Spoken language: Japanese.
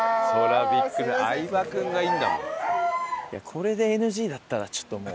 これでＮＧだったらちょっともう。